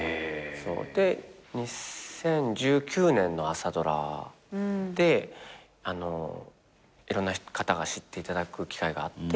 で２０１９年の朝ドラでいろんな方が知っていただく機会があって。